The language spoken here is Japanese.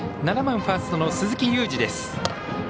７番ファーストの鈴木勇司です。